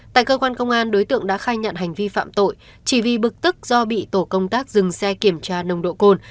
tại cơ quan công an đối tượng đã khai nhận hành vi phạm tội chỉ vì bực tức do bị tổ công tác dừng xe kiểm tra nồng độ cồn